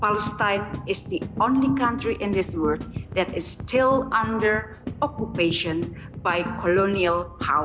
palestine adalah satu satunya negara di dunia ini yang masih diperlukan oleh kekuasaan kolonial